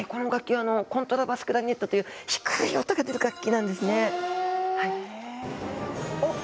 コントラバスクラリネットといって低い音が出る楽器なんですね。